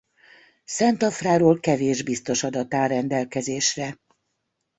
Szent Afráról kevés biztos adat áll rendelkezésre.